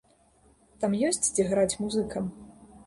Там ёсць, дзе граць музыкам?